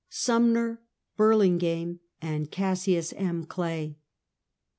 STJMNEK, BUELINGAME AISTD CASSIUS M. CLAY.